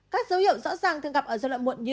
các dấu hiệu rõ ràng thường gặp ở giai đoạn muộn như